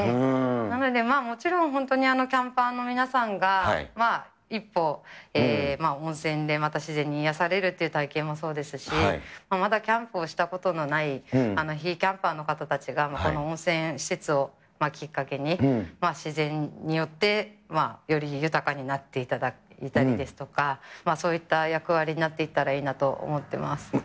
なので、もちろん本当にキャンパーの皆さんが一歩、温泉でまた自然に癒やされるという体験もそうですし、まだキャンプをしたことのない非キャンパーの方たちが、この温泉施設をきっかけに、自然によってより豊かになっていただいたりですとか、そういった役割になっていったらいいなと思ってます。